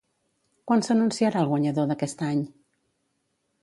Quan s'anunciarà el guanyador d'aquest any?